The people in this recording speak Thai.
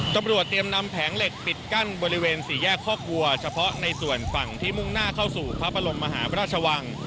ตำรวจเตรียมนำแผงเหล็กปิดกั้นบริเวณสี่แยกคอกวัวเฉพาะในส่วนฝั่งที่มุ่งหน้าเข้าสู่พระบรมมหาพระราชวัง